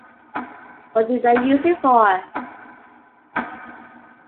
What do they use it for?